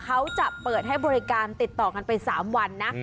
เขาจะเปิดให้บริการติดต่อกันไป๓วันนะ